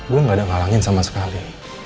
gue gak ada ngalangin sama sekali